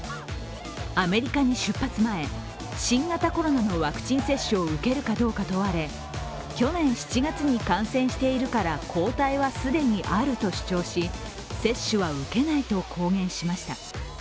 アメリカに出発前新型コロナのワクチン接種を受けるかどうか問われ、去年７月に感染しているから抗体は既にあると主張し、接種は受けないと公言しました。